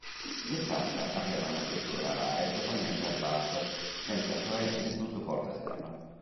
Il caccia aveva una struttura alare totalmente a sbalzo, senza cioè nessun supporto esterno.